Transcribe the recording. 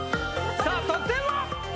さあ得点は？